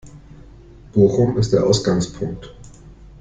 Bochum ist der Ausgangspunkt.